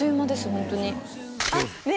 ホントにあっね！